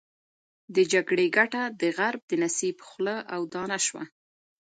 د جګړې ګټه د غرب د نصیب خوله او دانه شوه.